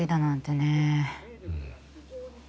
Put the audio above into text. うん。